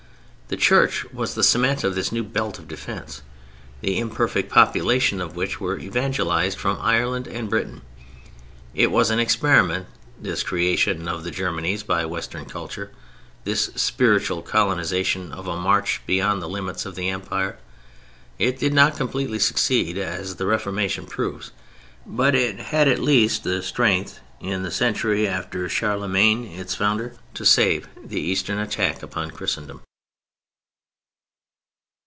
The Church was the cement of this new belt of defence—the imperfect population of which were evangelized from Ireland and Britain. It was an experiment, this creation of the Germanies by Western culture, this spiritual colonization of a March beyond the limits of the Empire. It did not completely succeed, as the Reformation proves; but it had at least the strength in the century after Charlemagne, its founder, to withstand the Eastern attack upon Christendom.